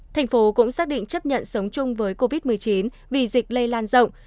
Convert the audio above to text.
thành phố cũng xác định chấp nhận sống chung với covid một mươi chín vì dịch lây lan rộng